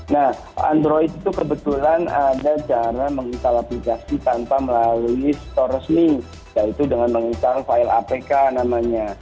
nah android itu kebetulan ada cara menginstal aplikasi tanpa melalui store resmi yaitu dengan menginstal file apk namanya